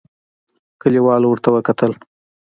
کليوالو ورته وکتل.